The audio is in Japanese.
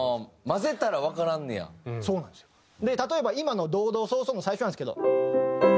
例えば今の「ドドソソ」の最初なんですけど。